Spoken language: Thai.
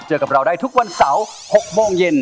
กับเราได้ทุกวันเสาร์๖โมงเย็น